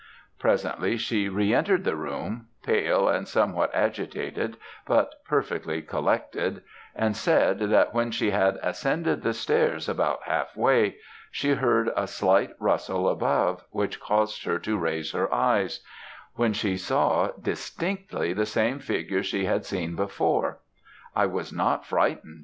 Presently, she re entered the room, pale, and somewhat agitated, but perfectly collected; and said, that when she had ascended the stairs about half way, she heard a slight rustle above, which caused her to raise her eyes; when she saw, distinctly, the same figure she had seen before. 'I was not frightened!'